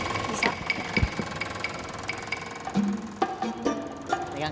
masa ini pak saum